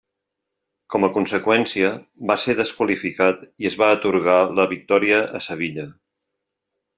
Com a conseqüència va ser desqualificat i es va atorgar la victòria a Sevilla.